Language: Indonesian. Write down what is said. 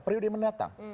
prio dia mendatang